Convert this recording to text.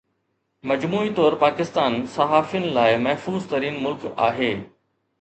مجموعي طور پاڪستان صحافين لاءِ محفوظ ترين ملڪ آهي